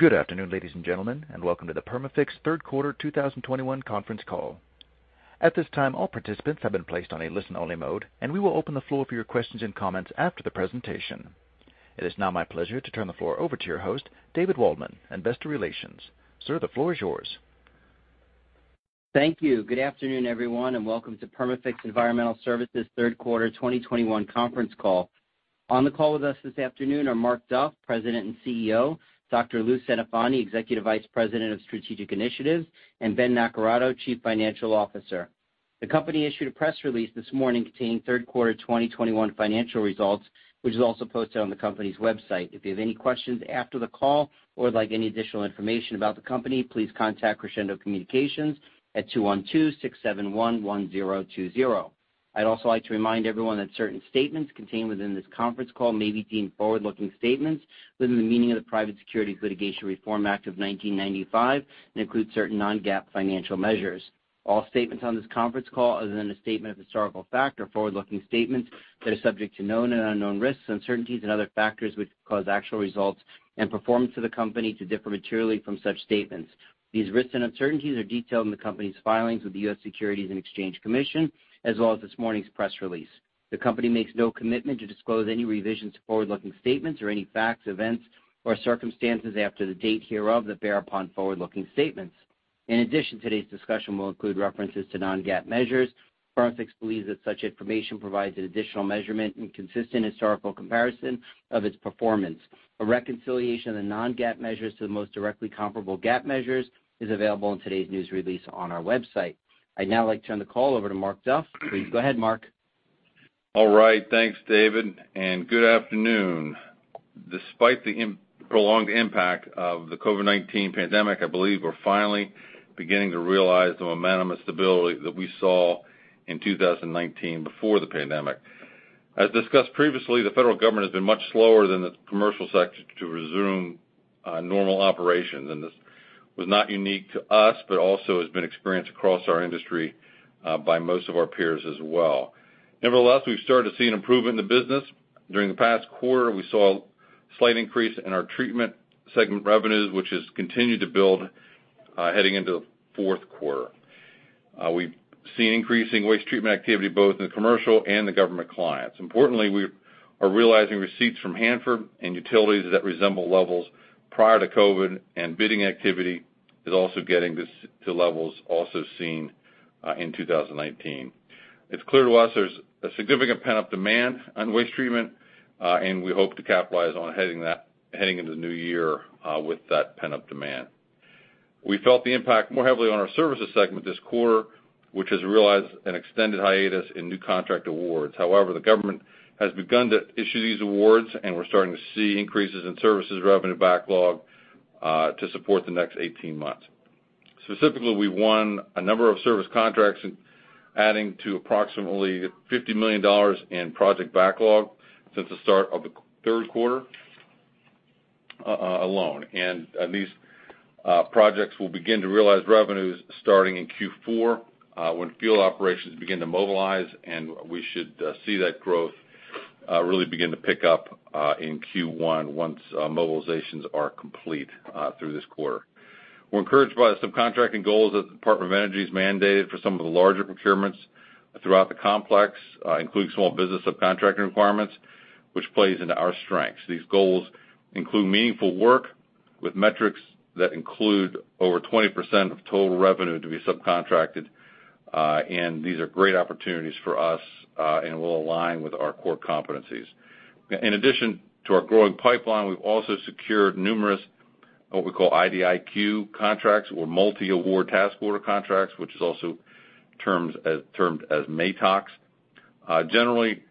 Good afternoon, ladies and gentlemen, and welcome to the Perma-Fix 3rd quarter 2021 conference call. At this time, all participants have been placed on a listen-only mode, and we will open the floor for your questions and comments after the presentation. It is now my pleasure to turn the floor over to your host, David Waldman, Investor Relations. Sir, the floor is yours. Thank you. Good afternoon, everyone, and welcome to Perma-Fix Environmental Services' 3rd quarter 2021 conference call. On the call with us this afternoon are Mark Duff, President and CEO, Dr. Lou Centofanti, Executive Vice President of Strategic Initiatives, and Ben Naccarato, Chief Financial Officer. The company issued a press release this morning containing 3rd quarter 2021 financial results, which is also posted on the company's website. If you have any questions after the call or would like any additional information about the company, please contact Crescendo Communications at 212-671-1020. I'd also like to remind everyone that certain statements contained within this conference call may be deemed forward-looking statements within the meaning of the Private Securities Litigation Reform Act of 1995 and include certain non-GAAP financial measures. All statements on this conference call, other than a statement of historical fact, are forward-looking statements that are subject to known and unknown risks, uncertainties and other factors which cause actual results and performance of the company to differ materially from such statements. These risks and uncertainties are detailed in the company's filings with the U.S. Securities and Exchange Commission, as well as this morning's press release. The company makes no commitment to disclose any revisions to forward-looking statements or any facts, events, or circumstances after the date hereof that bear upon forward-looking statements. In addition, today's discussion will include references to non-GAAP measures. Perma-Fix believes that such information provides an additional measurement and consistent historical comparison of its performance. A reconciliation of the non-GAAP measures to the most directly comparable GAAP measures is available in today's news release on our website. I'd now like to turn the call over to Mark Duff. Please go ahead, Mark. All right. Thanks, David, and good afternoon. Despite the prolonged impact of the COVID-19 pandemic, I believe we're finally beginning to realize the momentum and stability that we saw in 2019 before the pandemic. As discussed previously, the federal government has been much slower than the commercial sector to resume normal operations, and this was not unique to us, but also has been experienced across our industry by most of our peers as well. Nevertheless, we've started to see an improvement in the business. During the past quarter, we saw a slight increase in our treatment segment revenues, which has continued to build heading into 4th quarter. We've seen increasing waste treatment activity both in the commercial and the government clients. Importantly, we are realizing receipts from Hanford and utilities that resemble levels prior to COVID, and bidding activity is also getting this to levels also seen in 2019. It's clear to us there's a significant pent-up demand on waste treatment, and we hope to capitalize on heading into the new year with that pent-up demand. We felt the impact more heavily on our services segment this quarter, which has realized an extended hiatus in new contract awards. However, the government has begun to issue these awards, and we're starting to see increases in services revenue backlog to support the next 18 months. Specifically, we won a number of service contracts adding to approximately $50 million in project backlog since the start of the 3rd quarter alone. These projects will begin to realize revenues starting in Q4, when field operations begin to mobilize, and we should see that growth really begin to pick up in Q1 once mobilizations are complete through this quarter. We're encouraged by the subcontracting goals that the Department of Energy has mandated for some of the larger procurements throughout the complex, including small business subcontracting requirements, which plays into our strengths. These goals include meaningful work with metrics that include over 20% of total revenue to be subcontracted, and these are great opportunities for us and will align with our core competencies. In addition to our growing pipeline, we've also secured numerous, what we call IDIQ contracts or multi-award task order contracts, which is also termed as MATOCs. Generally,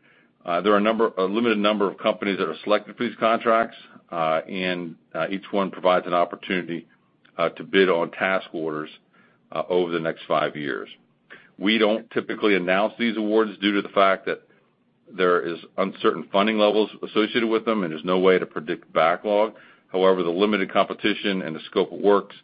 there are a limited number of companies that are selected for these contracts, and each one provides an opportunity to bid on task orders over the next 5 years. We don't typically announce these awards due to the fact that there is uncertain funding levels associated with them, and there's no way to predict backlog. However, the limited competition and the scope of works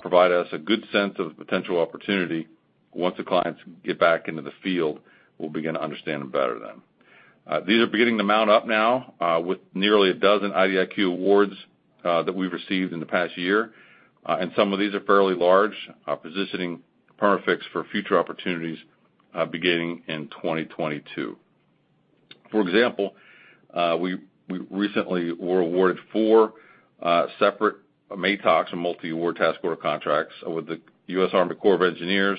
provide us a good sense of potential opportunity. Once the clients get back into the field, we'll begin to understand them better then. These are beginning to mount up now, with nearly a dozen IDIQ awards that we've received in the past year, and some of these are fairly large, are positioning Perma-Fix for future opportunities beginning in 2022. For example, we recently were awarded 4 separate MATOCs or multi-award task order contracts with the U.S. Army Corps of Engineers.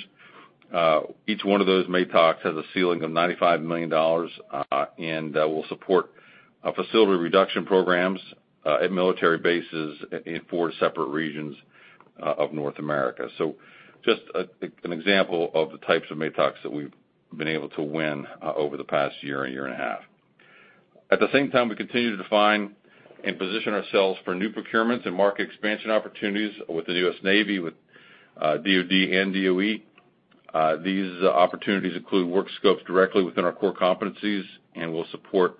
Each one of those MATOCs has a ceiling of $95 million and will support facility reduction programs at military bases in 4 separate regions of North America. Just an example of the types of MATOCs that we've been able to win over the past year and a half. At the same time, we continue to define and position ourselves for new procurements and market expansion opportunities with the U.S. Navy, with DoD and DOE. These opportunities include work scopes directly within our core competencies and will support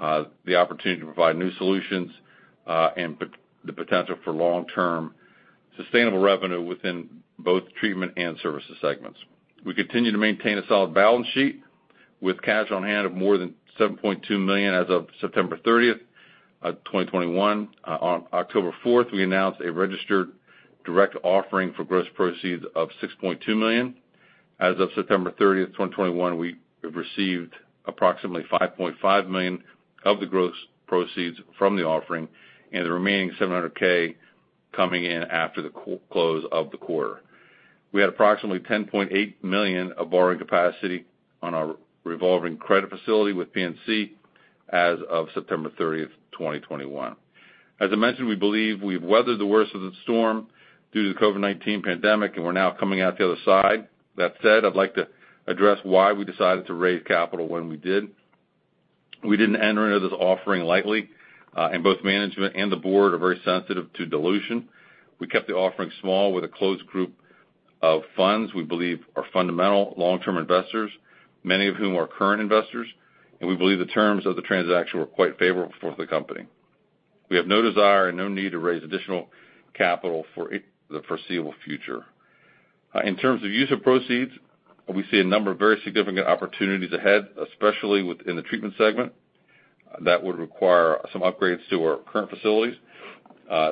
the opportunity to provide new solutions and the potential for long-term sustainable revenue within both treatment and services segments. We continue to maintain a solid balance sheet with cash on hand of more than $7.2 million as of September 30, 2021. On October 4, we announced a registered direct offering for gross proceeds of $6.2 million. As of September 30, 2021, we have received approximately $5.5 million of the gross proceeds from the offering and the remaining $700K coming in after the quarter close of the quarter. We had approximately $10.8 million of borrowing capacity on our revolving credit facility with PNC as of September 30, 2021. As I mentioned, we believe we've weathered the worst of the storm due to the COVID-19 pandemic, and we're now coming out the other side. That said, I'd like to address why we decided to raise capital when we did. We didn't enter into this offering lightly, and both management and the board are very sensitive to dilution. We kept the offering small with a close group of funds we believe are fundamental long-term investors, many of whom are current investors, and we believe the terms of the transaction were quite favorable for the company. We have no desire and no need to raise additional capital for the foreseeable future. In terms of use of proceeds, we see a number of very significant opportunities ahead, especially within the treatment segment that would require some upgrades to our current facilities.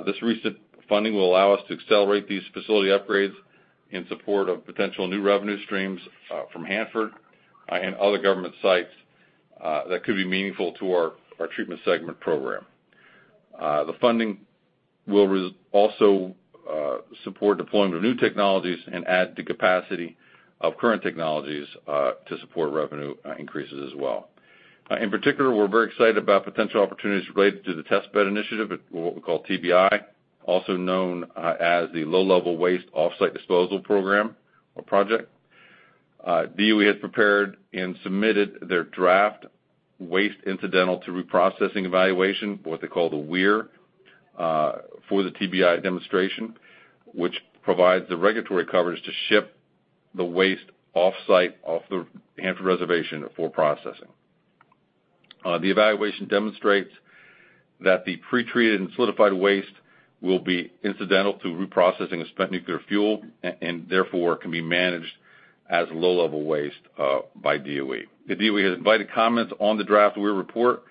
This recent funding will allow us to accelerate these facility upgrades in support of potential new revenue streams from Hanford and other government sites that could be meaningful to our treatment segment program. The funding will also support deployment of new technologies and add the capacity of current technologies to support revenue increases as well. In particular, we're very excited about potential opportunities related to the Test Bed Initiative, what we call TBI, also known as the Low Level Waste Off-site Disposal Program or Project. DOE has prepared and submitted their draft Waste Incidental to Reprocessing evaluation, what they call the WIR, for the TBI demonstration, which provides the regulatory coverage to ship the waste off-site, off the Hanford reservation for processing. The evaluation demonstrates that the pretreated and solidified waste will be incidental to reprocessing of spent nuclear fuel and therefore, can be managed as low-level waste by DOE. The DOE has invited comments on the draft WIR report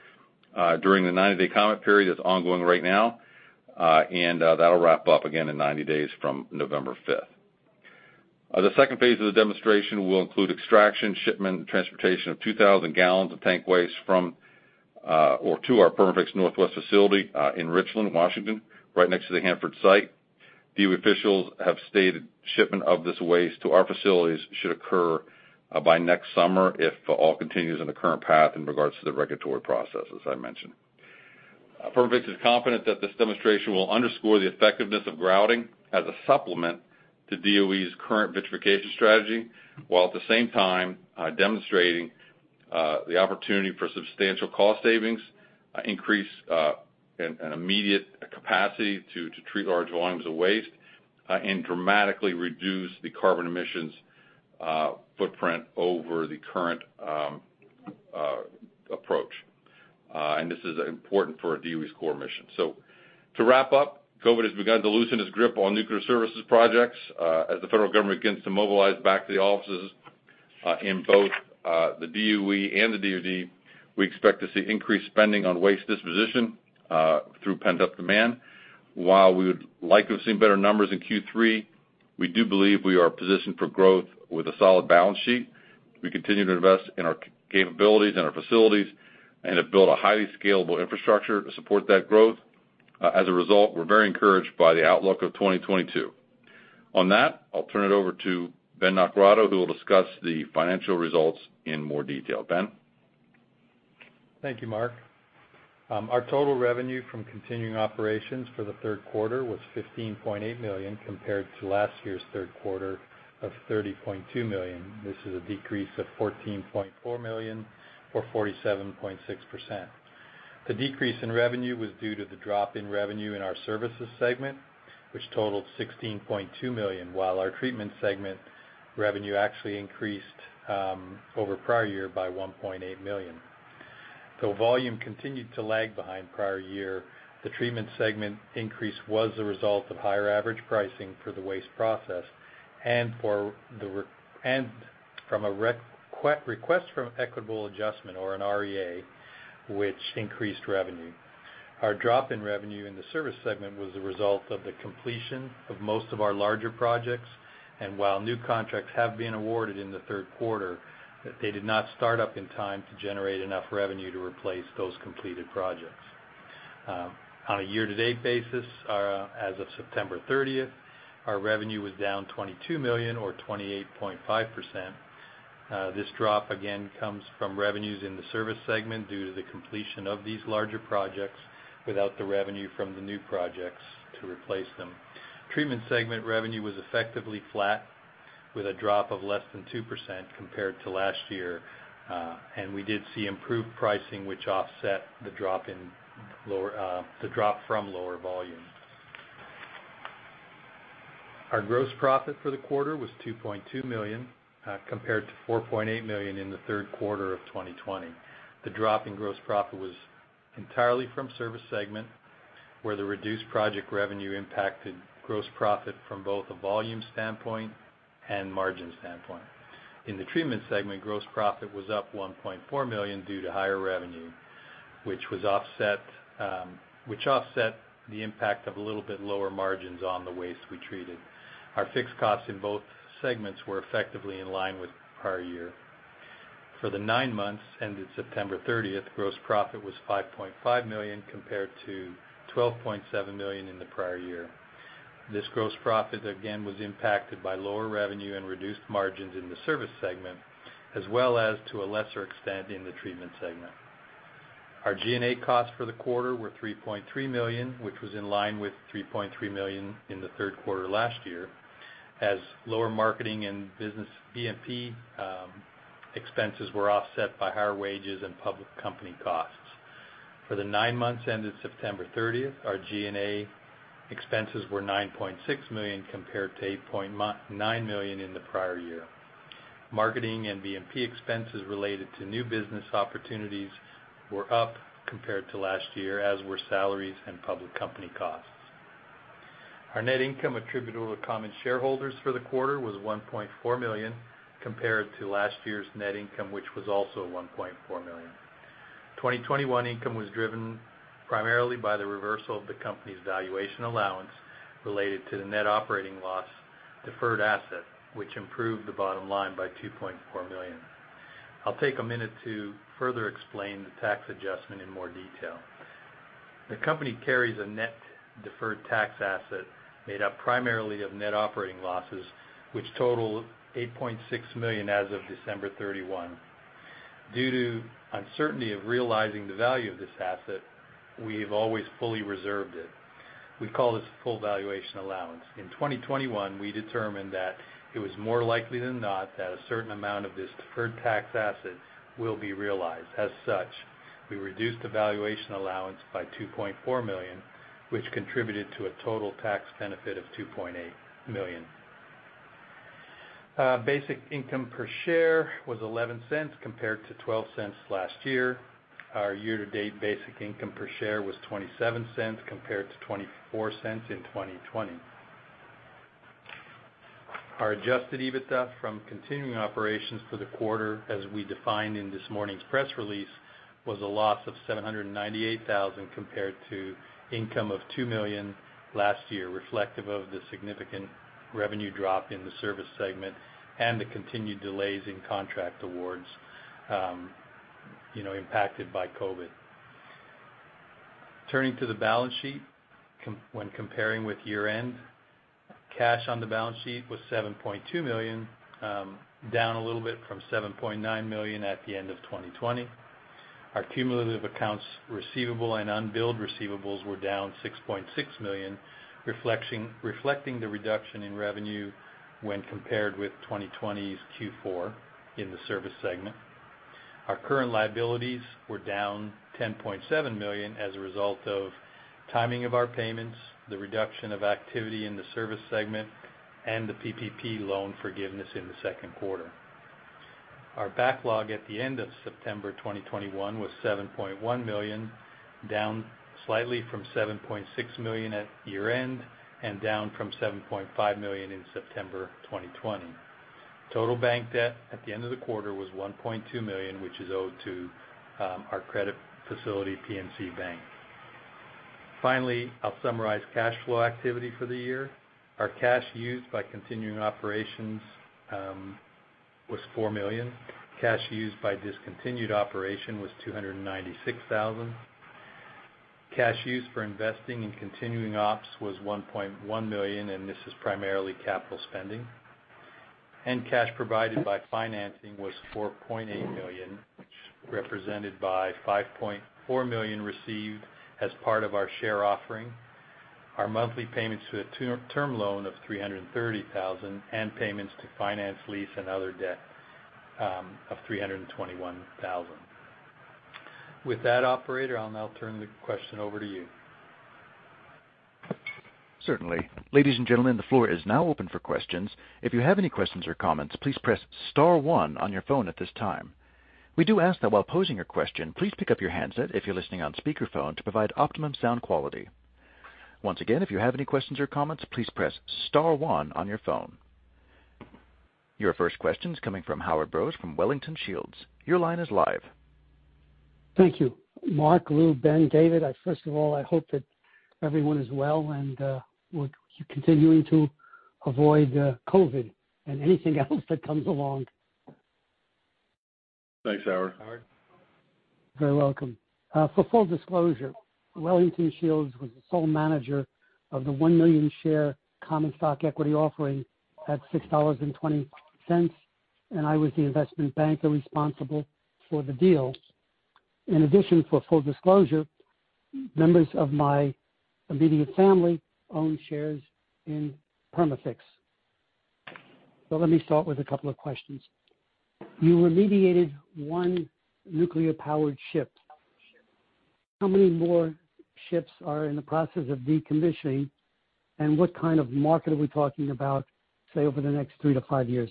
during the 90-day comment period that's ongoing right now. That'll wrap up again in 90 days from November 5th. The second Phase of the demonstration will include extraction, shipment, and transportation of 2,000 gallons of tank waste from or to our Perma-Fix Northwest facility in Richland, Washington, right next to the Hanford Site. DOE officials have stated shipment of this waste to our facilities should occur by next summer if all continues on the current path in regards to the regulatory process, as I mentioned. Perma-Fix is confident that this demonstration will underscore the effectiveness of grouting as a supplement to DOE's current vitrification strategy, while at the same time demonstrating the opportunity for substantial cost savings, increase an immediate capacity to treat large volumes of waste and dramatically reduce the carbon emissions footprint over the current approach. This is important for DOE's core mission. To wrap up, COVID has begun to loosen its grip on nuclear services projects. As the federal government begins to mobilize back to the offices in both the DOE and the DoD, we expect to see increased spending on waste disposition through pent-up demand. While we would like to have seen better numbers in Q3, we do believe we are positioned for growth with a solid balance sheet. We continue to invest in our capabilities and our facilities and have built a highly scalable infrastructure to support that growth. As a result, we're very encouraged by the outlook of 2022. On that, I'll turn it over to Ben Naccarato, who will discuss the financial results in more detail. Ben? Thank you, Mark. Our total revenue from continuing operations for the 3rd quarter was $15.8 million compared to last year's 3rd quarter of $30.2 million. This is a decrease of $14.4 million or 47.6%. The decrease in revenue was due to the drop in revenue in our Services segment, which totaled $16.2 million, while our Treatment segment revenue actually increased over prior year by $1.8 million. Though volume continued to lag behind prior year, the Treatment segment increase was the result of higher average pricing for the waste process and from a request for Equitable Adjustment, or an REA, which increased revenue. Our drop in revenue in the Services segment was the result of the completion of most of our larger projects, and while new contracts have been awarded in the 3rd quarter, that they did not start up in time to generate enough revenue to replace those completed projects. On a year-to-date basis, our as of September 30, our revenue was down $22 million or 28.5%. This drop again comes from revenues in the Services segment due to the completion of these larger projects without the revenue from the new projects to replace them. Treatment segment revenue was effectively flat with a drop of less than 2% compared to last year. We did see improved pricing which offset the drop from lower volume. Our gross profit for the quarter was $2.2 million compared to $4.8 million in the 3rd quarter of 2020. The drop in gross profit was entirely from Services segment, where the reduced project revenue impacted gross profit from both a volume standpoint and margin standpoint. In the Treatment segment, gross profit was up $1.4 million due to higher revenue, which offset the impact of a little bit lower margins on the waste we treated. Our fixed costs in both segments were effectively in line with prior year. For the nine months ended September 30, gross profit was $5.5 million compared to $12.7 million in the prior year. This gross profit, again, was impacted by lower revenue and reduced margins in the service segment, as well as to a lesser extent in the treatment segment. Our G&A costs for the quarter were $3.3 million, which was in line with $3.3 million in the 3rd quarter last year, as lower marketing and business BD&P expenses were offset by higher wages and public company costs. For the nine months ended September 30, our G&A expenses were $9.6 million compared to $8.9 million in the prior year. Marketing and BD&P expenses related to new business opportunities were up compared to last year, as were salaries and public company costs. Our net income attributable to common shareholders for the quarter was $1.4 million compared to last year's net income, which was also $1.4 million. 2021 income was driven primarily by the reversal of the company's valuation allowance related to the net operating loss deferred asset, which improved the bottom line by $2.4 million. I'll take a minute to further explain the tax adjustment in more detail. The company carries a net deferred tax asset made up primarily of net operating losses, which total $8.6 million as of December 31. Due to uncertainty of realizing the value of this asset, we've always fully reserved it. We call this full valuation allowance. In 2021, we determined that it was more likely than not that a certain amount of this deferred tax asset will be realized. As such, we reduced the valuation allowance by $2.4 million, which contributed to a total tax benefit of $2.8 million. Basic income per share was $0.11 compared to $0.12 last year. Our year-to-date basic income per share was $0.27 compared to $0.24 in 2020. Our adjusted EBITDA from continuing operations for the quarter, as we defined in this morning's press release, was a loss of $798,000 compared to income of $2 million last year, reflective of the significant revenue drop in the service segment and the continued delays in contract awards, you know, impacted by COVID. Turning to the balance sheet when comparing with year-end, cash on the balance sheet was $7.2 million, down a little bit from $7.9 million at the end of 2020. Our cumulative accounts receivable and unbilled receivables were down $6.6 million, reflecting the reduction in revenue when compared with 2020's Q4 in the service segment. Our current liabilities were down $10.7 million as a result of timing of our payments, the reduction of activity in the service segment, and the PPP loan forgiveness in the second quarter. Our backlog at the end of September 2021 was $7.1 million, down slightly from $7.6 million at year-end and down from $7.5 million in September 2020. Total bank debt at the end of the quarter was $1.2 million, which is owed to our credit facility, PNC Bank. Finally, I'll summarize cash flow activity for the year. Our cash used by continuing operations was $4 million. Cash used by discontinued operation was $296 thousand. Cash used for investing in continuing ops was $1.1 million, and this is primarily capital spending. Cash provided by financing was $4.8 million, which was represented by $5.4 million received as part of our share offering. Our monthly payments to our term loan of $330 thousand and payments to finance lease and other debt of $321 thousand. With that, operator, I'll now turn the call over to you. Certainly. Ladies and gentlemen, the floor is now open for questions. If you have any questions or comments, please press star 1 on your phone at this time. We do ask that while posing your question, please pick up your handset if you're listening on speakerphone to provide optimum sound quality. Once again, if you have any questions or comments, please press star 1 on your phone. Your first question is coming from Howard Brous from Wellington Shields & Co. LLC. Your line is live. Thank you. Mark, Lou, Ben, David, first of all, I hope that everyone is well and we're continuing to avoid COVID and anything else that comes along. Thanks, Howard. Howard. You're very welcome. For full disclosure, Wellington Shields & Co. LLC was the sole manager of the 1 million share common stock equity offering at $6.20, and I was the investment banker responsible for the deal. In addition, for full disclosure, members of my immediate family own shares in Perma-Fix. Let me start with a couple of questions. You remediated one nuclear powered ship. How many more ships are in the process of decommissioning? And what kind of market are we talking about, say, over the next 3 to 5 years?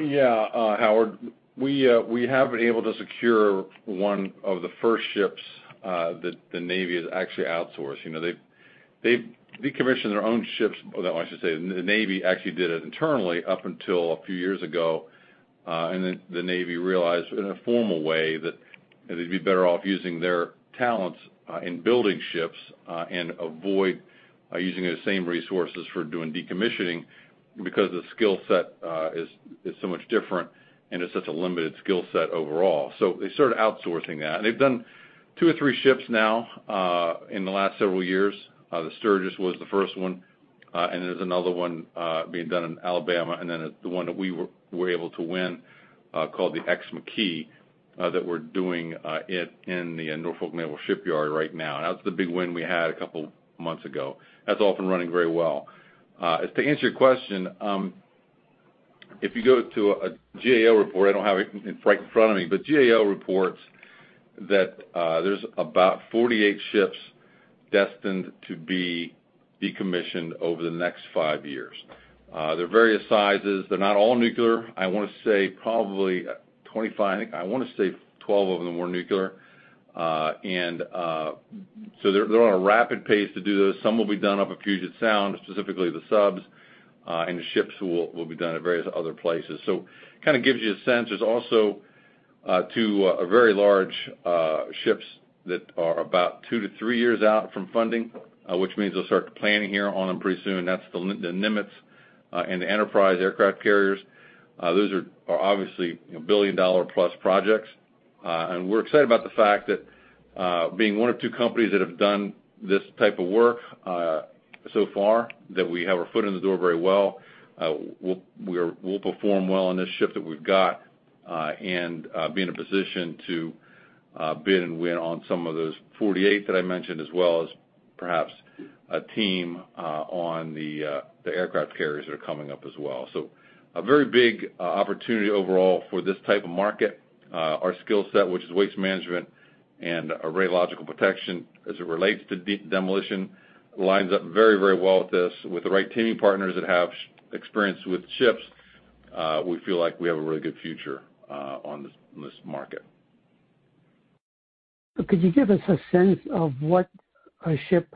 Yeah, Howard, we have been able to secure one of the first ships that the Navy has actually outsourced. You know, they've decommissioned their own ships. Well, I should say, the Navy actually did it internally up until a few years ago. The Navy realized in a formal way that they'd be better off using their talents in building ships and avoid using the same resources for doing decommissioning because the skill set is so much different, and it's such a limited skill set overall. They started outsourcing that. They've done 2 or 3 ships now in the last several years. The Sturgis was the first one. There's another one being done in Alabama, and then the one that we were able to win called the Ex-McKee that we're doing it in the Norfolk Naval Shipyard right now. That was the big win we had a couple months ago. That's off and running very well. To answer your question, if you go to a GAO report, I don't have it right in front of me, but GAO reports that there's about 48 ships destined to be decommissioned over the next 5 years. They're various sizes. They're not all nuclear. I wanna say probably 25. I wanna say 12 of them were nuclear. They're on a rapid pace to do this. Some will be done up in Puget Sound, specifically the subs, and the ships will be done at various other places. Kind of gives you a sense. There's also 2 very large ships that are about 2 to 3 years out from funding, which means they'll start planning here on them pretty soon. That's the Nimitz and the Enterprise aircraft carriers. Those are obviously billion-dollar plus projects. We're excited about the fact that being one of 2 companies that have done this type of work so far, that we have our foot in the door very well. We'll perform well on this ship that we've got, and be in a position to bid and win on some of those 48 that I mentioned, as well as perhaps a team on the aircraft carriers that are coming up as well. A very big opportunity overall for this type of market. Our skill set, which is waste management and radiological protection as it relates to demolition, lines up very, very well with this. With the right teaming partners that have experience with ships, we feel like we have a really good future on this market. Could you give us a sense of what a ship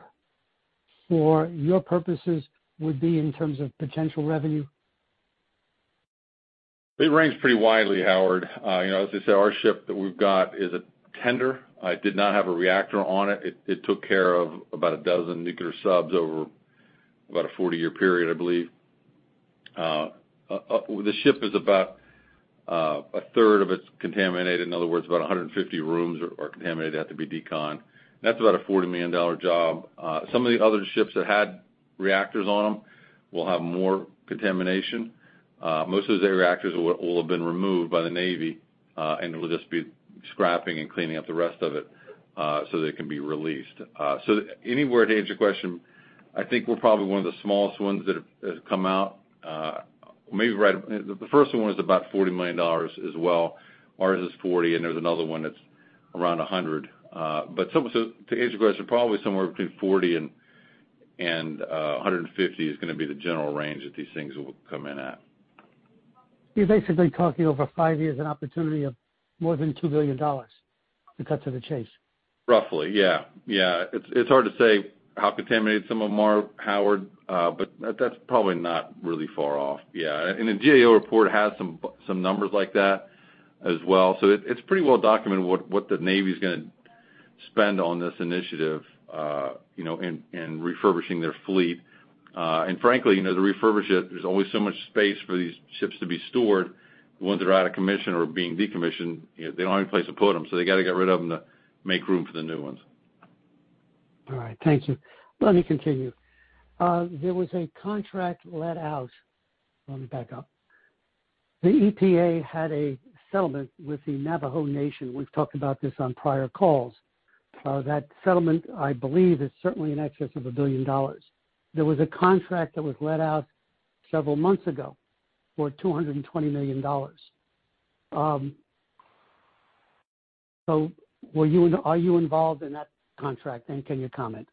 for your purposes would be in terms of potential revenue? It ranks pretty widely, Howard. You know, as I say, our ship that we've got is a tender. It did not have a reactor on it. It took care of about a dozen nuclear subs over about a 40-year period, I believe. The ship is about a 3rd of it is contaminated. In other words, about 150 rooms are contaminated, have to be deconned. That's about a $40 million job. Some of the other ships that had reactors on them will have more contamination. Most of their reactors will have been removed by the Navy, and it will just be scrapping and cleaning up the rest of it, so they can be released. So, anyway, to answer your question, I think we're probably one of the smallest ones that have come out. The first one was about $40 million as well. Ours is $40 million, and there's another one that's around $100 million. To answer your question, probably somewhere between $40 million and $150 million is gonna be the general range that these things will come in at. You're basically talking over 5 years an opportunity of more than $2 billion to cut to the chase. Roughly, yeah. Yeah. It's hard to say how contaminated some of them are, Howard, but that's probably not really far off, yeah. The GAO report has some numbers like that as well. It's pretty well documented what the Navy's gonna spend on this initiative, you know, in refurbishing their fleet. Frankly, you know, to refurbish it, there's only so much space for these ships to be stored. Once they're out of commission or being decommissioned, you know, they don't have any place to put them, so they got to get rid of them to make room for the new ones. All right. Thank you. Let me continue. There was a contract let out. Let me back up. The EPA had a settlement with the Navajo Nation. We've talked about this on prior calls. That settlement, I believe, is certainly in excess of $1 billion. There was a contract that was let out several months ago for $220 million. Are you involved in that contract, and can you comment?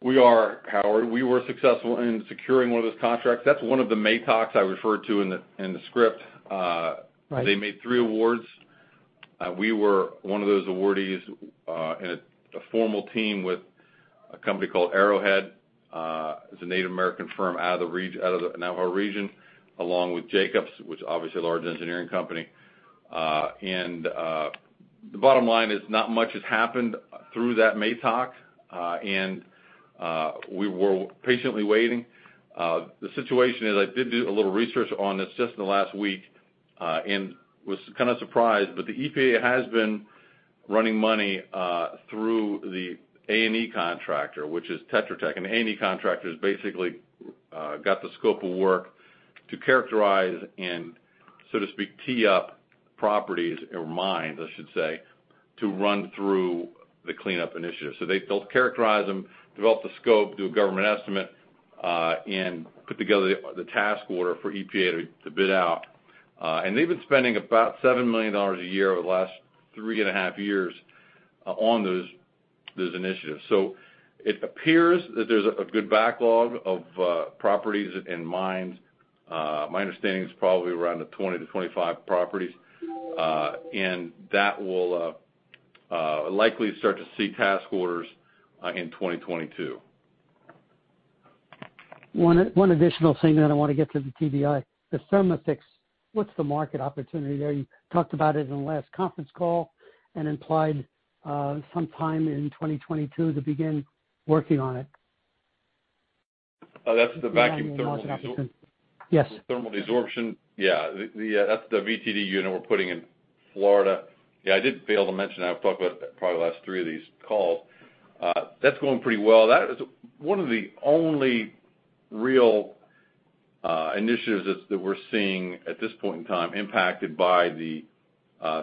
We are, Howard. We were successful in securing one of those contracts. That's one of the MATOCs I referred to in the script. Right. They made 3 awards. We were one of those awardees, in a formal team with a company called Arrowhead Contracting, it's a Native American firm out of the Navajo region, along with Jacobs Engineering Group, which obviously a large engineering company. The bottom line is not much has happened through that MATOC, and we're patiently waiting. The situation is, I did do a little research on this just in the last week, and was kind of surprised, but the EPA has been running money through the A&E contractor, which is Tetra Tech. The A&E contractor's basically got the scope of work to characterize and so to speak, tee up properties or mines, I should say, to run through the cleanup initiative. They'll characterize them, develop the scope, do a government estimate, and put together the task order for EPA to bid out. They've been spending about $7 million a year over the last 3 and a half years on those initiatives. It appears that there's a good backlog of properties and mines. My understanding is probably around the 20-25 properties. That will likely start to see task orders in 2022. One additional thing that I wanna get to the VTD. The Perma-Fix, what's the market opportunity there? You talked about it in the last conference call and implied sometime in 2022 to begin working on it. Oh, that's the vacuum thermal desorption? Yes. Thermal desorption. Yeah. That's the VTD unit we're putting in Florida. Yeah, I did fail to mention that. I've talked about it probably the last 3 of these calls. That's going pretty well. That is one of the only real initiatives that we're seeing at this point in time impacted by the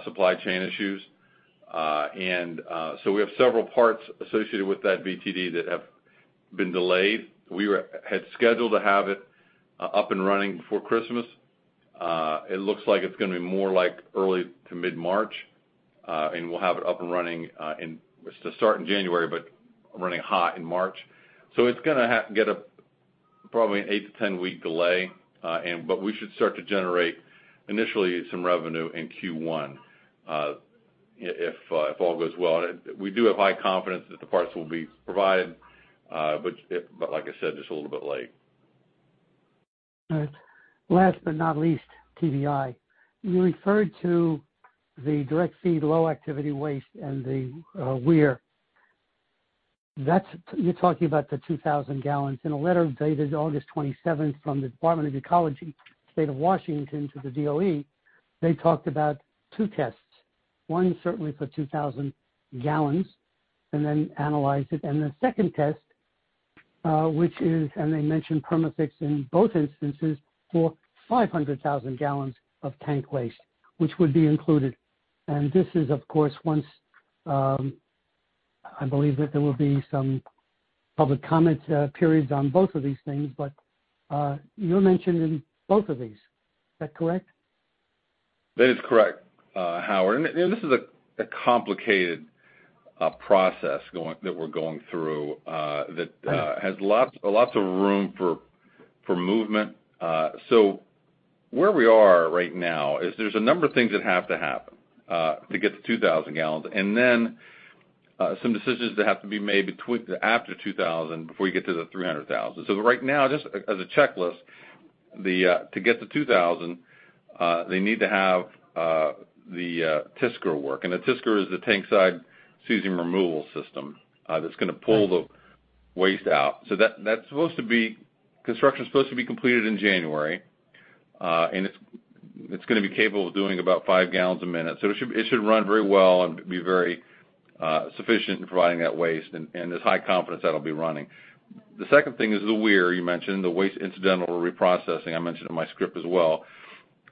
supply chain issues. We have several parts associated with that VTD that have been delayed. We had scheduled to have it up and running before Christmas. It looks like it's gonna be more like early to mid-March, and we'll have it up and running. It's to start in January, but running hot in March. It's gonna get a probably an 8-10 week delay, and we should start to generate initially some revenue in Q1, if all goes well. We do have high confidence that the parts will be provided, but like I said, just a little bit late. All right. Last but not least, Integrated Tank Disposition Contract. You referred to the Direct-Feed Low-Activity Waste (DFLAW) and the WIR. That's. You're talking about the 2,000 gallons. In a letter dated August 27 from the Washington State Department of Ecology to the DOE, they talked about 2 tests. One certainly for 2,000 gallons and then analyze it. The second test, and they mention Perma-Fix in both instances, for 500,000 gallons of tank waste, which would be included. This is, of course, once I believe that there will be some public comment periods on both of these things, but you're mentioned in both of these. Is that correct? That is correct, Howard. You know, this is a complicated process that we're going through that has lots of room for movement. Where we are right now is there's a number of things that have to happen to get to 2,000 gallons, and then some decisions that have to be made after 2,000 before you get to the 300,000. Right now, just as a checklist, to get to 2,000, they need to have the TSCR work. The TSCR is the Tank-Side Cesium Removal system that's gonna pull the waste out. Construction is supposed to be completed in January, and it's gonna be capable of doing about 5 gallons a minute. It should run very well and be very sufficient in providing that waste and there's high confidence that'll be running. The second thing is the WIR you mentioned, the Waste Incidental to Reprocessing. I mentioned in my script as well.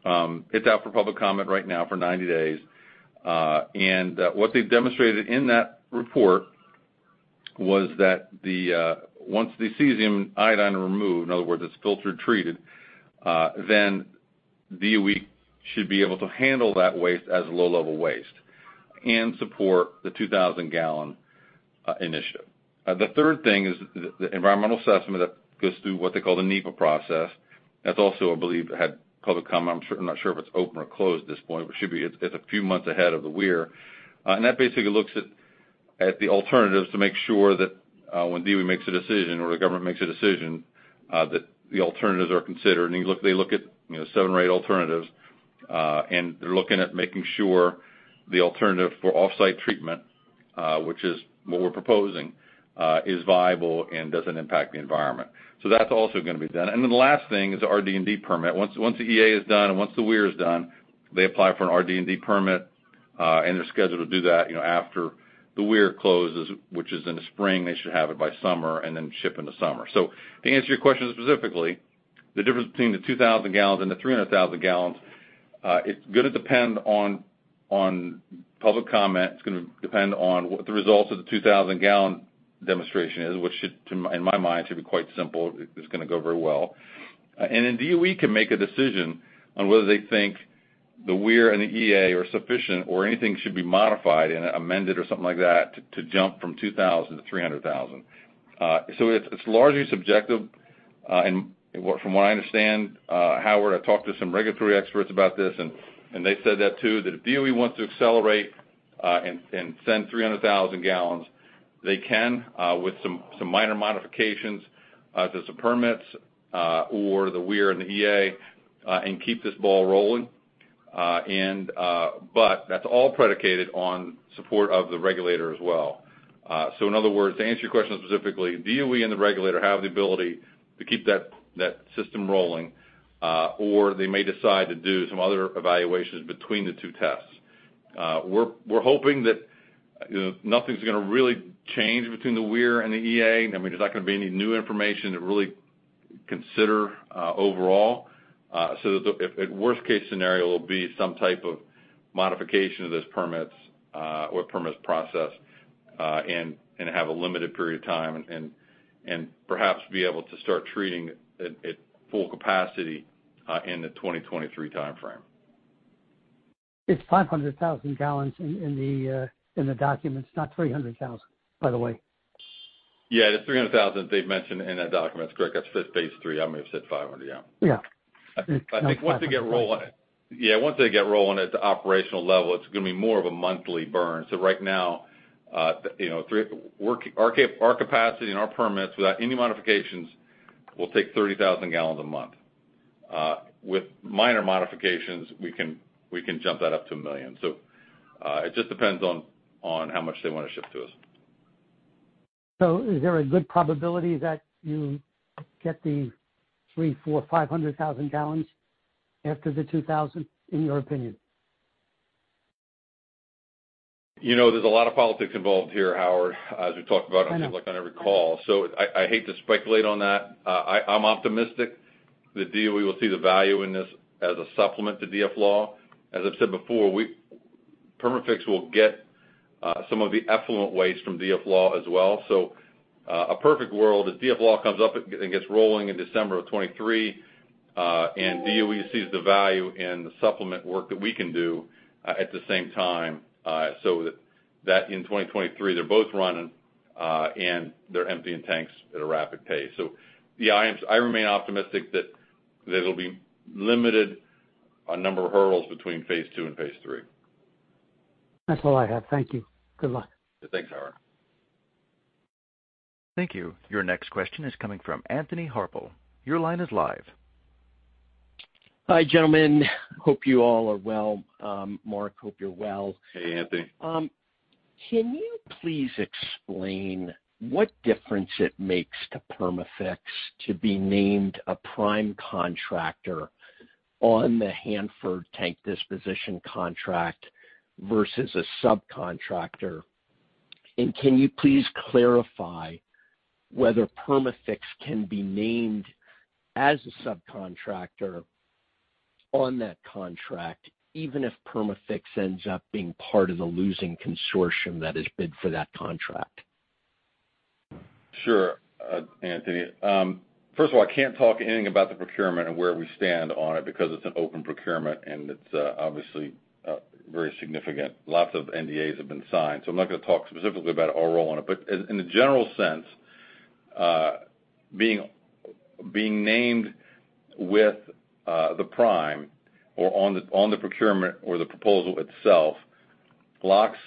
It's out for public comment right now for 90 days. What they've demonstrated in that report was that once the cesium and iodine removed, in other words, it's filter treated, then DOE should be able to handle that waste as low-level waste and support the 2,000-gallon initiative. The 3rd thing is the environmental assessment that goes through what they call the NEPA process. That's also, I believe, had public comment. I'm not sure if it's open or closed at this point, but it should be. It's a few months ahead of the WIR. That basically looks at the alternatives to make sure that when DOE makes a decision or the government makes a decision, that the alternatives are considered. They look at, you know, 7 or 8 alternatives, and they're looking at making sure the alternative for off-site treatment, which is what we're proposing, is viable and doesn't impact the environment. That's also gonna be done. Then the last thing is the RD&D permit. Once the EA is done and the WIR is done, they apply for an RD&D permit, and they're scheduled to do that, you know, after the WIR closes, which is in the spring. They should have it by summer and then ship in the summer. To answer your question specifically, the difference between the 2,000 gallons and the 300,000 gallons, it's gonna depend on public comment. It's gonna depend on what the results of the 2,000-gallon demonstration is, which should, in my mind, be quite simple. It's gonna go very well. Then DOE can make a decision on whether they think the WIR and the EA are sufficient or anything should be modified and amended or something like that to jump from 2,000 to 300,000. It's largely subjective. From what I understand, Howard, I talked to some regulatory experts about this and they said that too, that if DOE wants to accelerate and send 300,000 gallons, they can with some minor modifications to some permits or the WIR and the EA and keep this ball rolling. That's all predicated on support of the regulator as well. In other words, to answer your question specifically, DOE and the regulator have the ability to keep that system rolling or they may decide to do some other evaluations between the 2 tests. You know, nothing's gonna really change between the WIR and the EA. I mean, there's not gonna be any new information to really consider overall. If in the worst case scenario, it will be some type of modification of those permits or permit process, and perhaps be able to start treating at full capacity in the 2023 timeframe. It's 500,000 gallons in the documents, not 300,000, by the way. Yeah. The $300,000 they've mentioned in that document is correct. That's Phase 3. I may have said $500, yeah. Yeah. I think once they get rolling. Yeah, once they get rolling at the operational level, it's gonna be more of a monthly burn. Right now, you know, our capacity and our permits without any modifications will take 30,000 gallons a month. With minor modifications, we can jump that up to 1 million. It just depends on how much they wanna ship to us. Is there a good probability that you get the 300,000-500,000 gallons after the 2,000, in your opinion? You know, there's a lot of politics involved here, Howard, as we talked about on every call. I hate to speculate on that. I'm optimistic that DOE will see the value in this as a supplement to DFLAW. As I've said before, we Perma-Fix will get some of the effluent waste from DFLAW as well. A perfect world is DFLAW comes up and gets rolling in December of 2023, and DOE sees the value in the supplement work that we can do at the same time, so that in 2023, they're both running, and they're emptying tanks at a rapid pace. Yeah, I remain optimistic that there'll be limited on number of hurdles between Phase 2 and Phase 3. That's all I have. Thank you. Good luck. Thanks, Howard. Thank you. Your next question is coming from Anthony Harpel. Your line is live. Hi, gentlemen. Hope you all are well. Mark, hope you're well. Hey, Anthony. Can you please explain what difference it makes to Perma-Fix to be named a prime contractor on the Hanford Tank Disposition Contract versus a subcontractor? Can you please clarify whether Perma-Fix can be named as a subcontractor on that contract, even if Perma-Fix ends up being part of the losing consortium that has bid for that contract? Sure, Anthony. First of all, I can't talk anything about the procurement and where we stand on it because it's an open procurement, and it's obviously very significant. Lots of NDAs have been signed, so I'm not gonna talk specifically about our role on it. In a general sense, being named with the prime or on the procurement or the proposal itself locks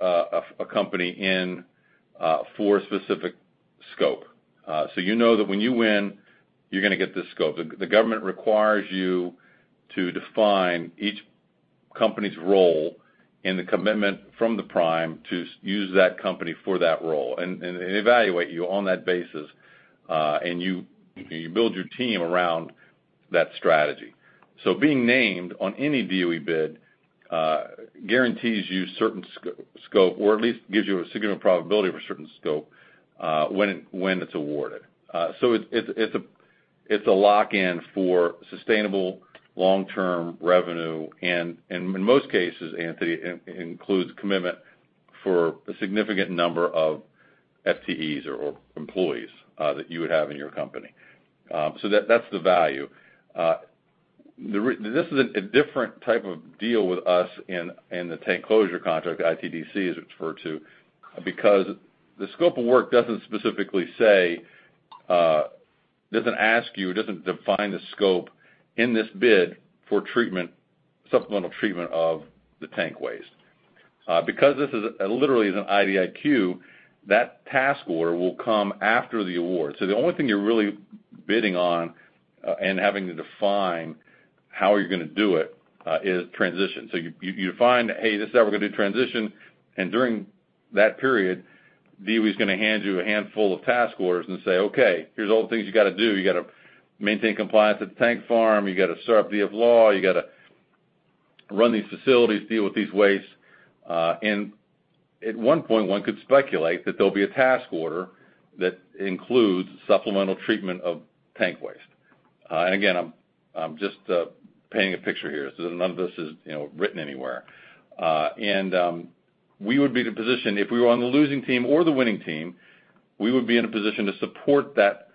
a company in for a specific scope. You know that when you win, you're gonna get this scope. The government requires you to define each company's role and the commitment from the prime to use that company for that role and evaluate you on that basis. You build your team around that strategy. Being named on any DOE bid guarantees you certain scope or at least gives you a significant probability of a certain scope when it's awarded. It's a lock in for sustainable long-term revenue. In most cases, Anthony, it includes commitment for a significant number of FTEs or employees that you would have in your company. That's the value. This is a different type of deal with us in the tank closure contract, Integrated Tank Disposition Contract, as it's referred to, because the scope of work doesn't specifically say, doesn't ask you, it doesn't define the scope in this bid for supplemental treatment of the tank waste. Because this is literally an IDIQ, that task order will come after the award. The only thing you're really bidding on, and having to define how you're gonna do it, is transition. You define, hey, this is how we're gonna do transition. During that period, DOE is gonna hand you a handful of task orders and say, "Okay, here's all the things you gotta do. You gotta maintain compliance at the tank farm. You gotta start up DFLAW. You gotta run these facilities, deal with these wastes." At one point, one could speculate that there'll be a task order that includes supplemental treatment of tank waste. Again, I'm just painting a picture here. None of this is, you know, written anywhere. We would be in a position if we were on the losing team or the winning team, we would be in a position to support that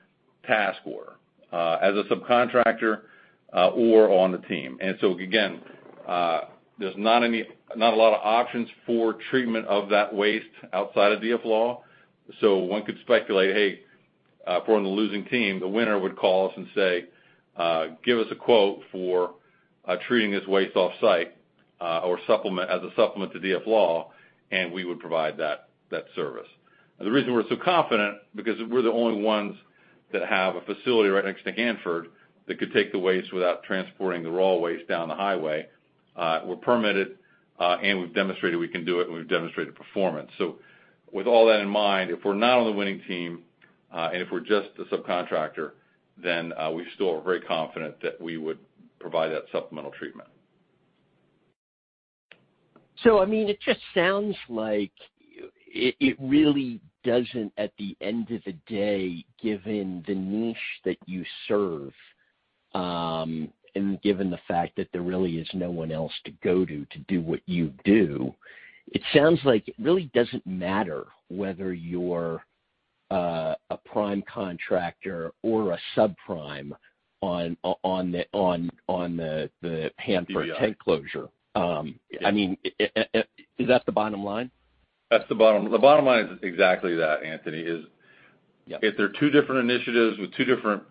task order, as a subcontractor, or on the team. There's not a lot of options for treatment of that waste outside of DFLAW. One could speculate, hey, if we're on the losing team, the winner would call us and say, "Give us a quote for treating this waste off-site or as a supplement to DFLAW," and we would provide that service. The reason we're so confident, because we're the only ones that have a facility right next to Hanford that could take the waste without transporting the raw waste down the highway. We're permitted, and we've demonstrated we can do it, and we've demonstrated performance. With all that in mind, if we're not on the winning team, and if we're just the subcontractor, then we still are very confident that we would provide that supplemental treatment. I mean, it just sounds like it really doesn't, at the end of the day, given the niche that you serve, and given the fact that there really is no one else to go to do what you do, it sounds like it really doesn't matter whether you're a prime contractor or a sub on the Hanford tank closure. Yeah. I mean, is that the bottom line? The bottom line is exactly that, Anthony. Yeah. If there are 2 different initiatives with 2 different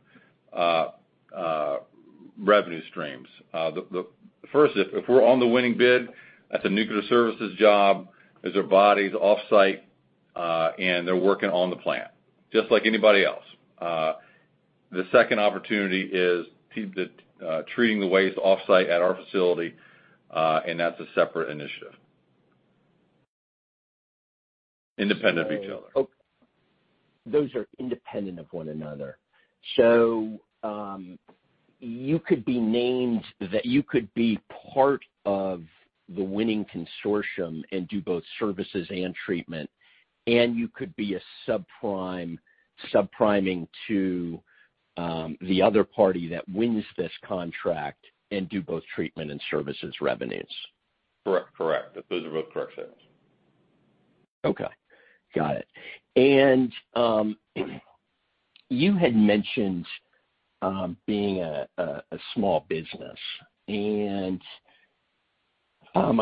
revenue streams. The first, if we're on the winning bid, that's a nuclear services job as they're buried offsite, and they're working on the plant just like anybody else. The second opportunity is treating the waste offsite at our facility, and that's a separate initiative independent of each other. Those are independent of one another. You could be part of the winning consortium and do both services and treatment, and you could be subcontracting to the other party that wins this contract and do both treatment and services revenues. Correct. Correct. Those are both correct statements. Okay. Got it. You had mentioned being a small business. I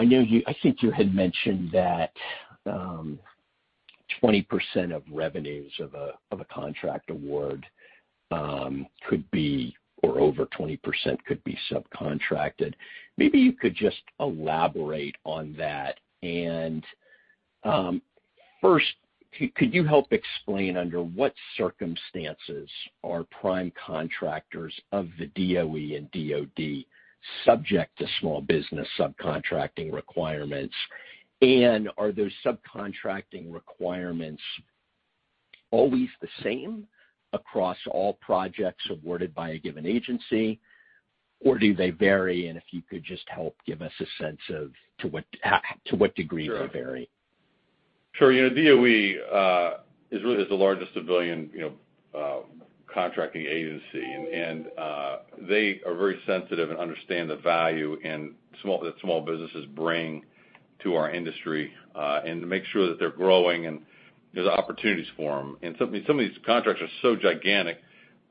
know you I think you had mentioned that 20% of revenues of a contract award could be or over 20% could be subcontracted. Maybe you could just elaborate on that. First, could you help explain under what circumstances are prime contractors of the DOE and DoD subject to small business subcontracting requirements? Are those subcontracting requirements always the same across all projects awarded by a given agency, or do they vary? If you could just help give us a sense of to what degree they vary. Sure. You know, DOE is really the largest civilian contracting agency, and they are very sensitive and understand the value that small businesses bring to our industry, and to make sure that they're growing and there's opportunities for them. Some of these contracts are so gigantic,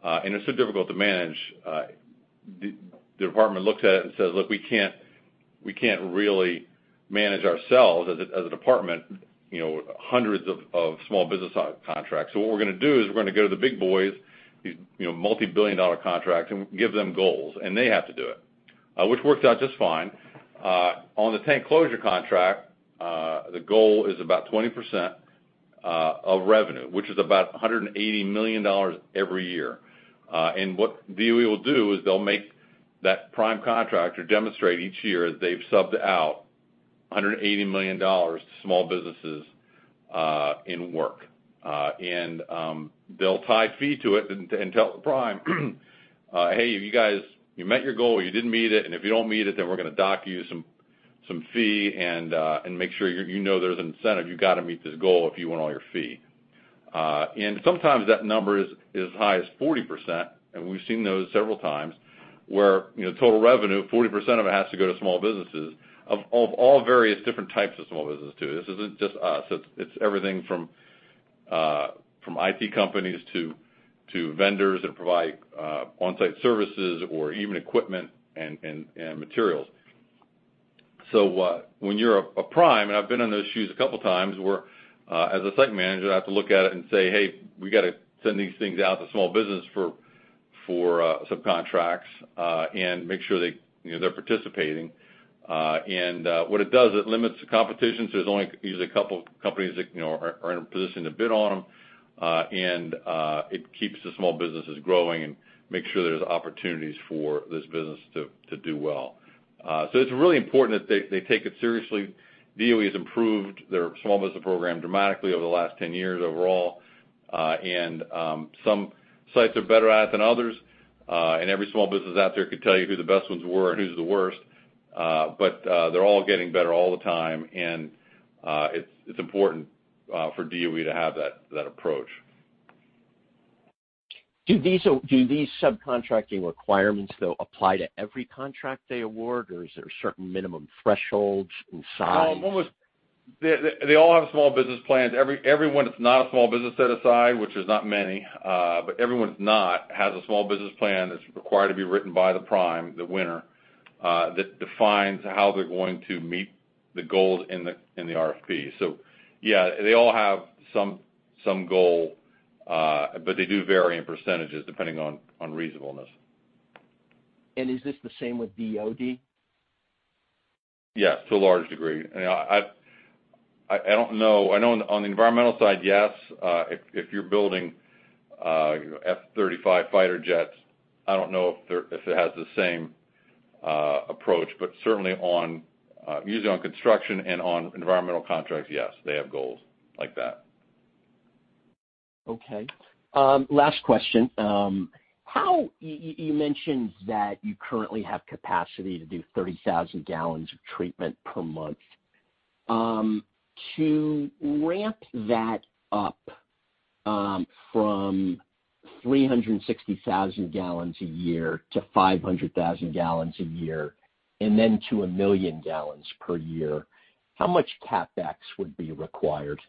and they're so difficult to manage. The department looks at it and says, "Look, we can't really manage ourselves as a department, you know, hundreds of small business contracts. So what we're gonna do is we're gonna go to the big boys, these, you know, multi-billion dollar contracts and give them goals, and they have to do it," which worked out just fine. On the tank closure contract, the goal is about 20% of revenue, which is about $180 million every year. What DOE will do is they'll make that prime contractor demonstrate each year that they've subbed out $180 million to small businesses in work. They'll tie fee to it and tell the prime, "Hey, you guys, you met your goal, you didn't meet it, and if you don't meet it, then we're gonna dock you some fee, and make sure you know there's an incentive. You gotta meet this goal if you want all your fee." And sometimes that number is as high as 40%, and we've seen those several times where, you know, total revenue, 40% of it has to go to small businesses of all various different types of small businesses too. This isn't just us. It's everything from from IT companies to vendors that provide on-site services or even equipment and materials. When you're a prime, and I've been in those shoes a couple of times where, as a site manager, I have to look at it and say, "Hey, we gotta send these things out to small business for subcontracts and make sure they, you know, are participating." What it does, it limits the competition, so there's only usually a couple of companies that, you know, are in a position to bid on them. It keeps the small businesses growing and makes sure there's opportunities for this business to do well. It's really important that they take it seriously. DOE has improved their small business program dramatically over the last 10 years overall. Some sites are better at it than others. Every small business out there could tell you who the best ones were and who's the worst. They're all getting better all the time, and it's important for DOE to have that approach. Do these subcontracting requirements, though, apply to every contract they award, or is there certain minimum thresholds and size? They all have small business plans. Everyone that's not a small business set aside, which is not many, but everyone has a small business plan that's required to be written by the prime, the winner, that defines how they're going to meet the goals in the RFP. Yeah, they all have some goal, but they do vary in percentages depending on reasonableness. Is this the same with DoD? Yes, to a large degree. I don't know. I know on the environmental side, yes. If you're building F-35 fighter jets, I don't know if it has the same approach, but certainly usually on construction and on environmental contracts, yes, they have goals like that. Okay. Last question. You mentioned that you currently have capacity to do 30,000 gallons of treatment per month. To ramp that up from 360,000 gallons a year to 500,000 gallons a year and then to 1 million gallons per year, how much CapEx would be required?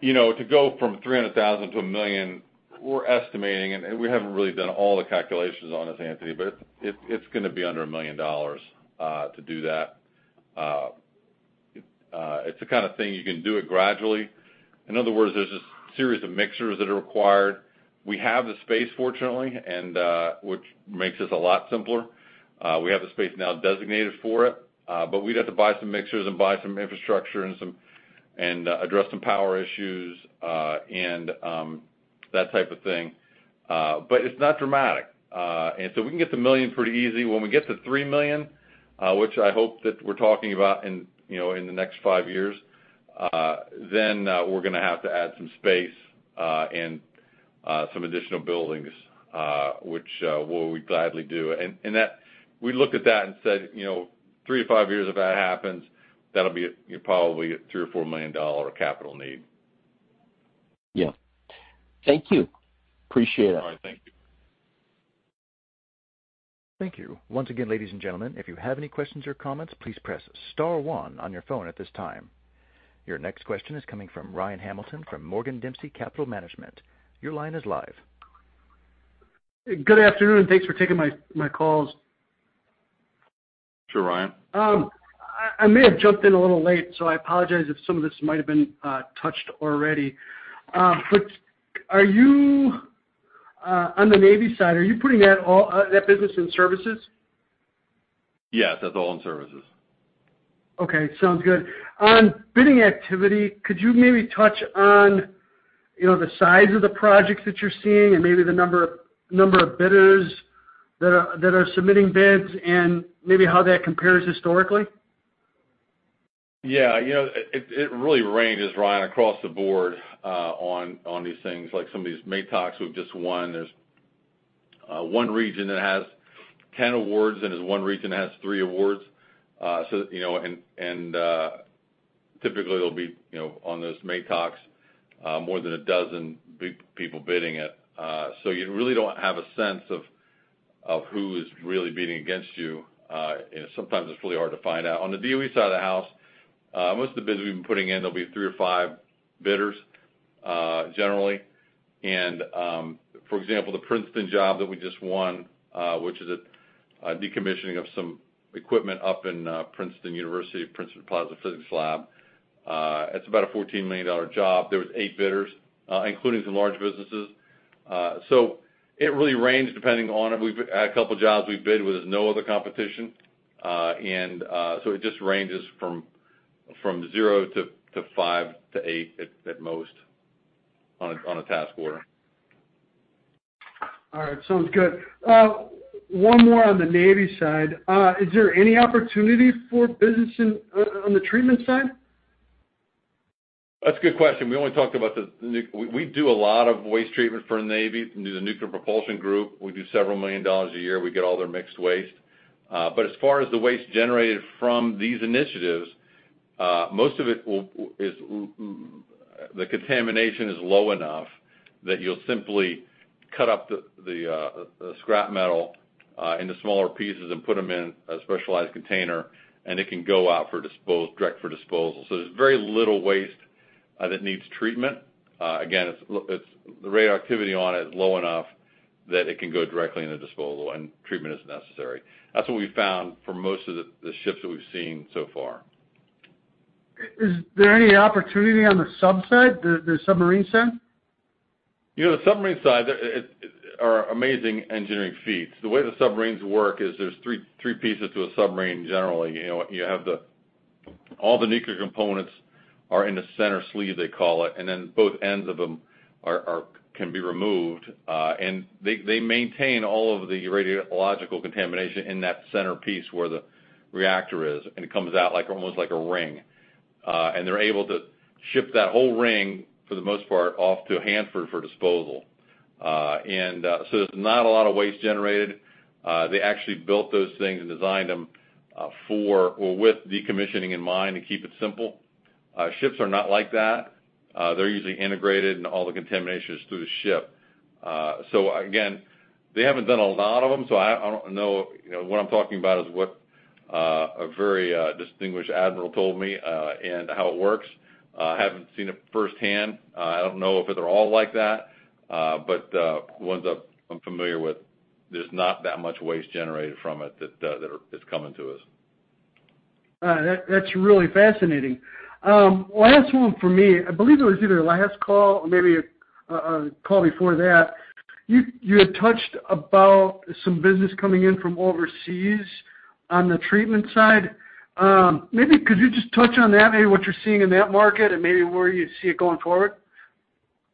You know, to go from 300,000 to 1 million, we're estimating, and we haven't really done all the calculations on this, Anthony, but it's gonna be under $1 million to do that. It's the kind of thing you can do it gradually. In other words, there's a series of mixers that are required. We have the space, fortunately, which makes this a lot simpler. We have the space now designated for it, but we'd have to buy some mixers and buy some infrastructure and address some power issues, and that type of thing. But it's not dramatic. We can get to 1 million pretty easy. When we get to $3 million, which I hope that we're talking about in, you know, in the next 5 years, then we're gonna have to add some space and some additional buildings, which we will gladly do. We looked at that and said, you know, 3-5 years if that happens, that'll be probably a $3 million or $4 million capital need. Yeah. Thank you. Appreciate it. All right. Thank you. Thank you. Once again, ladies and gentlemen, if you have any questions or comments, please press star 1 on your phone at this time. Your next question is coming from Ryan Hamilton from Morgan Dempsey Capital Management. Your line is live. Good afternoon, and thanks for taking my calls. Sure, Ryan. I may have jumped in a little late, so I apologize if some of this might have been touched already. Are you on the Navy side? Are you putting that business in services? Yes, that's all in services. Okay. Sounds good. On bidding activity, could you maybe touch on, you know, the size of the projects that you're seeing and maybe the number of bidders that are submitting bids and maybe how that compares historically? Yeah, you know, it really ranges, Ryan, across the board, on these things. Like some of these MATOCs we've just won, there's one region that has 10 awards, and there's one region that has 3 awards. So, you know, typically, there'll be, you know, on those MATOCs, more than a dozen big people bidding it. You really don't have a sense of who's really bidding against you, and sometimes it's really hard to find out. On the DOE side of the house, most of the bids we've been putting in, there'll be 3 or 5 bidders, generally. For example, the Princeton job that we just won, which is a decommissioning of some equipment up in Princeton University, Princeton Plasma Physics Laboratory, it's about a $14 million job. There was 8 bidders, including some large businesses. It really ranges depending on. We've a couple jobs we bid with no other competition. It just ranges from 0 to 5 to 8 at most on a task order. All right. Sounds good. One more on the Navy side. Is there any opportunity for business in, on the treatment side? That's a good question. We do a lot of waste treatment for the Navy, for the Naval Nuclear Propulsion Program. We do $ several million a year. We get all their mixed waste. As far as the waste generated from these initiatives, most of it is waste. The contamination is low enough that you'll simply cut up the scrap metal into smaller pieces and put them in a specialized container, and it can go out direct for disposal. There's very little waste that needs treatment. Again, the radioactivity on it is low enough that it can go directly into disposal and treatment isn't necessary. That's what we've found for most of the ships that we've seen so far. Is there any opportunity on the sub side, the submarine side? You know, the submarine side are amazing engineering feats. The way the submarines work is there's 3 pieces to a submarine, generally. You know, all the nuclear components are in the center sleeve, they call it, and then both ends of them can be removed. They maintain all of the radiological contamination in that center piece where the reactor is, and it comes out like, almost like a ring. They're able to ship that whole ring, for the most part, off to Hanford for disposal. So there's not a lot of waste generated. They actually built those things and designed them for or with decommissioning in mind to keep it simple. Ships are not like that. They're usually integrated, and all the contamination is through the ship. Again, they haven't done a lot of them, so I don't know, you know, what I'm talking about is what a very distinguished admiral told me and how it works. I haven't seen it firsthand. I don't know if they're all like that, but ones I'm familiar with, there's not that much waste generated from it that is coming to us. All right. That's really fascinating. Last one for me. I believe it was either last call or maybe call before that, you had touched about some business coming in from overseas on the treatment side. Maybe could you just touch on that, maybe what you're seeing in that market and maybe where you see it going forward?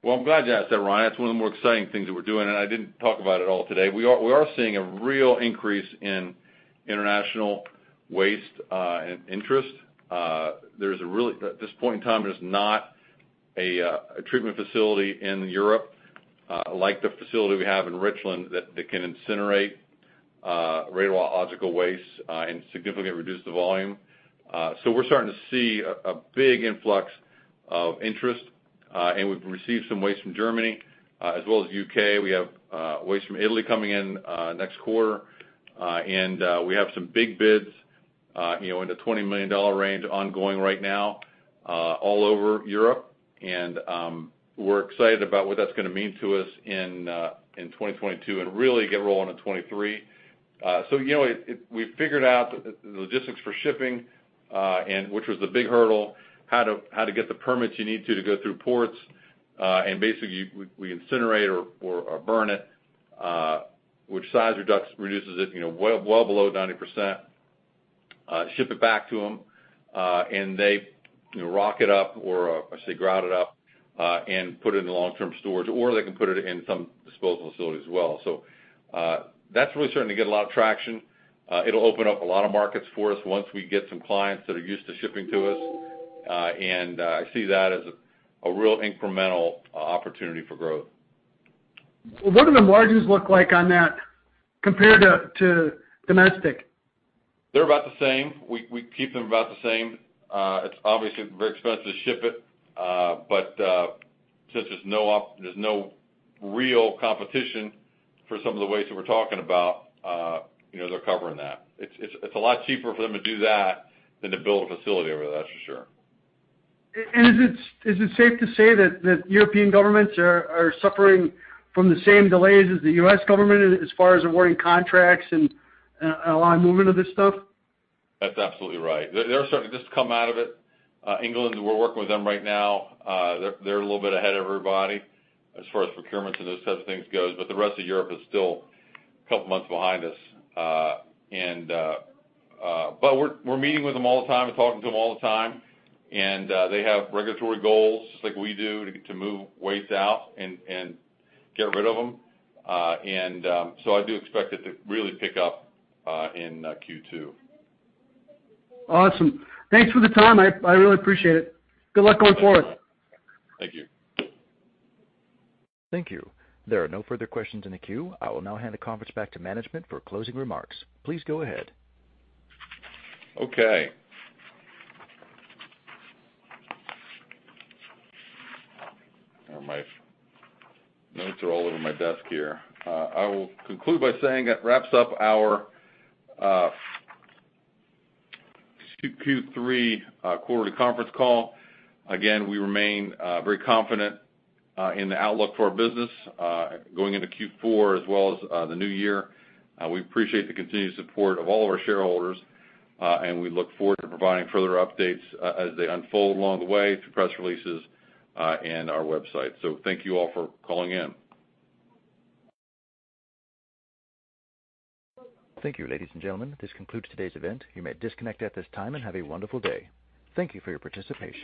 Well, I'm glad you asked that, Ryan. It's one of the more exciting things that we're doing, and I didn't talk about it at all today. We are seeing a real increase in international waste and interest. At this point in time, there's not a treatment facility in Europe like the facility we have in Richland that can incinerate radiological waste and significantly reduce the volume. We're starting to see a big influx of interest, and we've received some waste from Germany, as well as U.K. We have waste from Italy coming in next quarter. We have some big bids, you know, in the $20 million range ongoing right now, all over Europe. We're excited about what that's gonna mean to us in 2022 and really get rolling in 2023. You know, we figured out the logistics for shipping, which was the big hurdle, how to get the permits you need to go through ports. Basically, we incinerate or burn it, which size reduces it, you know, well below 90%. Ship it back to them, and they, you know, rock it up or, I say, grout it up, and put it in long-term storage. Or they can put it in some disposal facility as well. That's really starting to get a lot of traction. It'll open up a lot of markets for us once we get some clients that are used to shipping to us. I see that as a real incremental opportunity for growth. What do the margins look like on that compared to domestic? They're about the same. We keep them about the same. It's obviously very expensive to ship it. Since there's no real competition for some of the waste that we're talking about, you know, they're covering that. It's a lot cheaper for them to do that than to build a facility over there, that's for sure. Is it safe to say that European governments are suffering from the same delays as the U.S. government as far as awarding contracts and allowing movement of this stuff? That's absolutely right. They're starting just to come out of it. England, we're working with them right now. They're a little bit ahead of everybody as far as procurements and those type of things goes, but the rest of Europe is still a couple months behind us, but we're meeting with them all the time and talking to them all the time. They have regulatory goals like we do, to get to move waste out and get rid of them. I do expect it to really pick up in Q2. Awesome. Thanks for the time. I really appreciate it. Good luck going forward. Thank you. Thank you. There are no further questions in the queue. I will now hand the conference back to management for closing remarks. Please go ahead. Okay. My notes are all over my desk here. I will conclude by saying that wraps up our Q3 quarterly conference call. Again, we remain very confident in the outlook for our business going into Q4 as well as the new year. We appreciate the continued support of all of our shareholders and we look forward to providing further updates as they unfold along the way through press releases and our website. Thank you all for calling in. Thank you, ladies and gentlemen. This concludes today's event. You may disconnect at this time and have a wonderful day. Thank you for your participation.